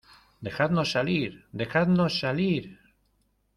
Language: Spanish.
¡ dejadnos salir! ¡ dejadnos salir !